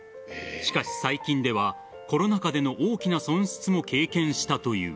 しかし、最近ではコロナ禍での大きな損失も経験したという。